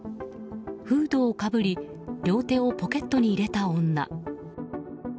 フードをかぶり両手をポケットに入れた女。